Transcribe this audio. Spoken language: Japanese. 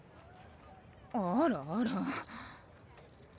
あらあら。